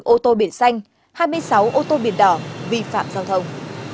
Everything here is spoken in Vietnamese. ba mươi bốn ô tô biển xanh hai mươi sáu ô tô biển đỏ vi phạm giao thông